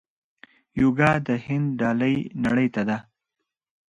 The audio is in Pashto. یوګا د هند ډالۍ نړۍ ته ده.